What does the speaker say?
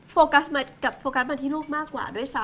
โฟกัสมาที่ลูกมากกว่าด้วยซ้ำ